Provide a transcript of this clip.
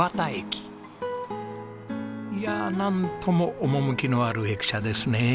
いやあなんとも趣のある駅舎ですね。